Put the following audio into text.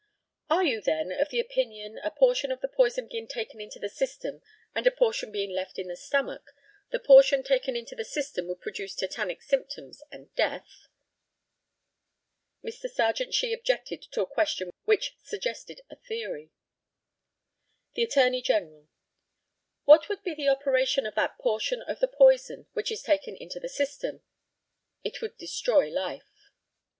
Are you, then, of opinion that, a portion of the poison being taken into the system and a portion being left in the stomach, the portion taken into the system would produce tetanic symptoms and death? Mr. Serjeant SHEE objected to a question which suggested a theory. The ATTORNEY GENERAL: What would be the operation of that portion of the poison which is taken into the system? It would destroy life.